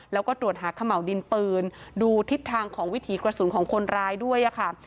แล้วก็ตรวจหาเขม่าวดินปืนดูทิศทางของวิถีกระสุนของคนร้ายด้วยค่ะ